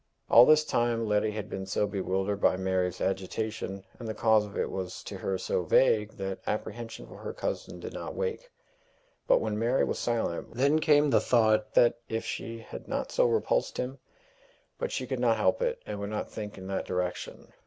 All this time Letty had been so bewildered by Mary's agitation, and the cause of it was to her so vague, that apprehension for her cousin did not wake. But when Mary was silent, then came the thought that, if she had not so repulsed him but she could not help it, and would not think in that direction.